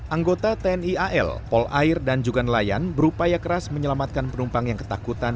anggota tni al pol air dan juga nelayan berupaya keras menyelamatkan penumpang yang ketakutan